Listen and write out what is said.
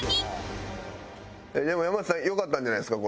でも山内さん良かったんじゃないですか？